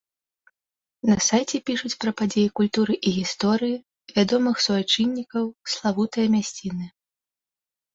На сайце пішуць пра падзеі культуры і гісторыі, вядомых суайчыннікаў, славутыя мясціны.